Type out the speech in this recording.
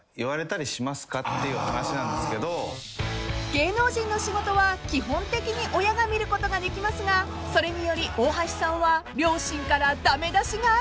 ［芸能人の仕事は基本的に親が見ることができますがそれにより大橋さんは両親から駄目出しがあるそうで］